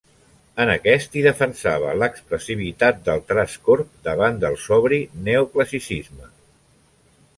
En aquest, hi defensava l'expressivitat del traç corb davant del sobri neoclassicisme.